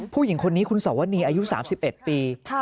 ผู้หญิงคนนี้คุณสวนีอายุ๓๑ปี